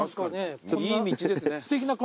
いい道ですね。